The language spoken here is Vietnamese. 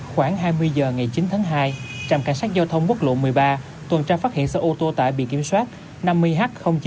khoảng hai mươi giờ ngày chín tháng hai trạm cảnh sát giao thông quốc lộ một mươi ba tuần tra phát hiện xe ô tô tại bị kiểm soát năm mươi h chín nghìn sáu trăm bảy mươi bốn